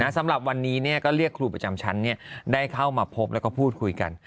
สำหรับวันนี้ก็เรียกครูประจำชั้นได้เข้ามาพบแล้วก็พูดคุยกัน